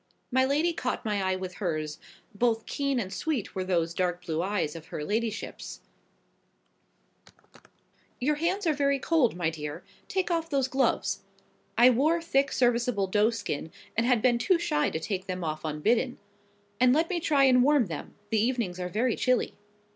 My lady caught my eye with hers,—both keen and sweet were those dark blue eyes of her ladyship's:— "Your hands are very cold, my dear; take off those gloves" (I wore thick serviceable doeskin, and had been too shy to take them off unbidden), "and let me try and warm them—the evenings are very chilly."